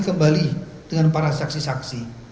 kembali dengan para saksi saksi